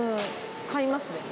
買いますね。